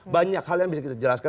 banyak hal yang bisa kita jelaskan